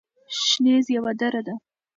شنیز یوه دره ده